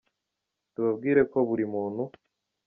Tubabwire ko buri muntu